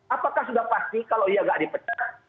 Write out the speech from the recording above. apakah sudah pasti kalau ia nggak dipecat